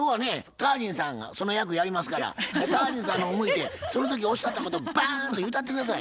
タージンさんがその役やりますからタージンさんの方向いてその時おっしゃったことバーンと言うたって下さい。